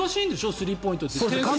スリーポイントって。